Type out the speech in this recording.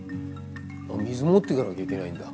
水持っていかなきゃいけないんだ。